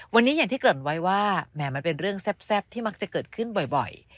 วันนี้อย่างที่เกริ่นไว้ว่าแหมมันเป็นเรื่องแซ่บที่มักจะเกิดขึ้นบ่อย